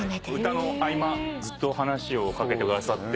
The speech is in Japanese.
歌の合間ずっと話しを掛けてくださって。